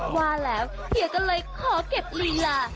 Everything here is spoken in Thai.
ว่าแล้วเฮียก็เลยขอเก็บลีลา